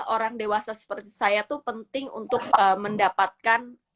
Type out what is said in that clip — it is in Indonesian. orang dewasa seperti saya itu penting untuk mendapatkan